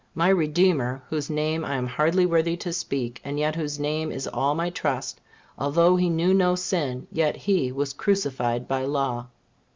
My Redeemer, whose name I am hardly worthy to speak, and yet whose name is all my trust, although he knew no sin, yet he was crucified by law.